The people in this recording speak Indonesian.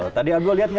tadi abdul lihat gak